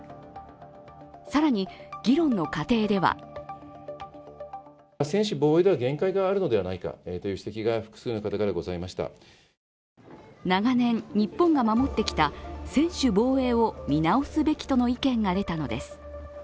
更に議論の過程では長年、日本が守ってきた専守防衛を見直すべきとの意見が出たのです。